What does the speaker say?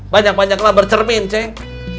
banyak banyak laber cermin ceng